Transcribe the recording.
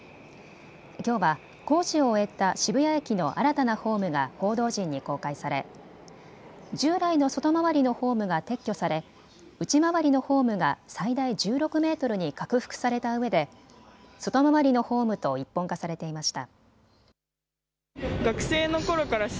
きょうは工事を終えた渋谷駅の新たなホームが報道陣に公開され従来の外回りのホームが撤去され内回りのホームが最大１６メートルに拡幅されたうえで外回りのホームと一本化されていました。